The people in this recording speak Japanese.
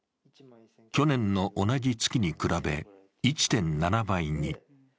去年の同じ月に比べ１．７倍に。